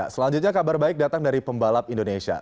selanjutnya kabar baik datang dari pembalap indonesia